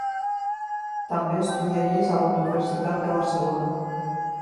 També estudià lleis a la Universitat de Barcelona.